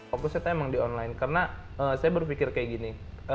fokusnya emang di online karena saya berpikir kayak gini